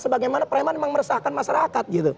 sebagaimana preman memang meresahkan masyarakat